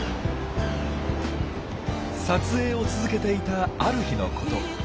撮影を続けていたある日のこと。